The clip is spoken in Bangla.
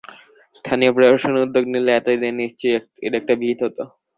স্থানীয় প্রশাসন উদ্যোগ নিলে এত দিনে নিশ্চয়ই এর একটা বিহিত হতো।